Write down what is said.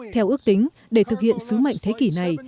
theo ước tính để thực hiện sứ mệnh thế kỷ này